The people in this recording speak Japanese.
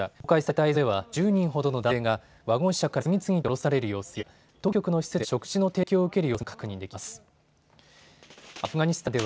公開された映像では１０人ほどの男性がワゴン車から次々と降ろされる様子や当局の施設で食事の提供を受ける様子が確認できます。